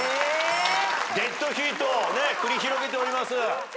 デッドヒートを繰り広げております。